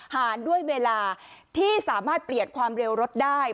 หารด้วยเวลาที่สามารถเปลี่ยนความเร็วรถได้